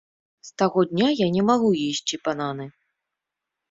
З таго дня я не магу есці бананы.